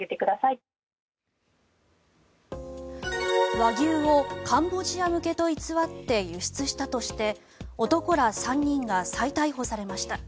和牛をカンボジア向けと偽って輸出したとして男ら３人が再逮捕されました。